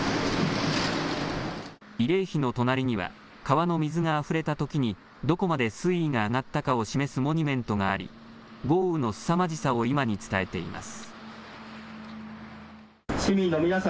慰霊碑の隣には川の水があふれたときに、どこまで水位が上がったかを示すモニュメントがあり豪雨のすさまじさを今に伝えています。